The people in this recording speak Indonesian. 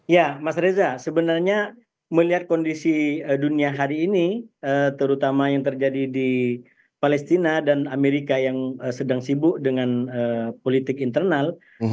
ya mas reza sebenarnya melihat kondisi dunia hari ini terutama yang terjadi di palestina dan amerika yang sedang sibuk dengan politik internal